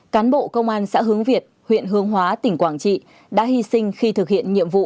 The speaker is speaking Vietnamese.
cán bộ công an xã hướng việt huyện hướng hóa tỉnh quảng trị đã hy sinh khi thực hiện nhiệm vụ